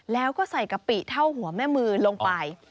แล้วก็ใส่กะปิเท่าหัวแม่มือลงไป